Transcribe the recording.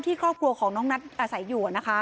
ครอบครัวของน้องนัทอาศัยอยู่นะคะ